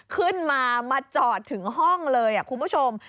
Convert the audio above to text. ขึ้นมามาจอดถึงห้องเลยคุณผู้ชม